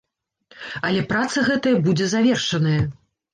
Але праца гэтая будзе завершаная.